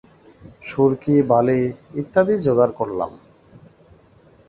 সুরকি, বালি ইত্যাদি জোগাড় করলাম।